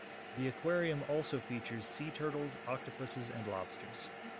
The aquarium also features sea turtles, octopuses, and lobsters.